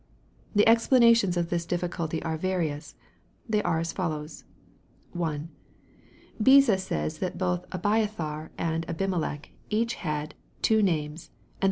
The explanations of this difficulty are various. They are as follows 1. Bcza says that bo;\ Abisthar and Abimelech had each two MARK, CHAP.